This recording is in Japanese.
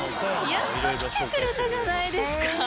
やっと来てくれたじゃないですか。